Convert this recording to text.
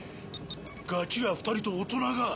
ガキが２人と大人が。